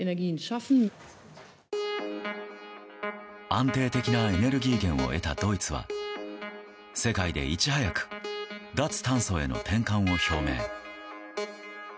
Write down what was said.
安定的なエネルギー源を得たドイツは世界でいち早く脱炭素への転換を表明。